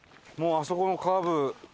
もうあそこのカーブ。